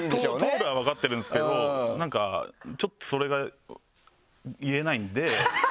トールは分かってるんですけどなんかちょっとそれが言えないんで。